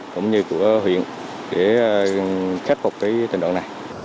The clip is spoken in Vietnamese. cũng như của huyện để khắc phục cái tình đoạn này